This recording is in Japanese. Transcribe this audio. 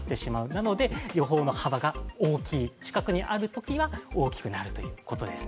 なので予報の幅が大きい、近くにあるときには大きくなるということです